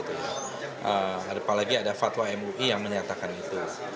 apalagi ada fatwa mui yang menyatakan itu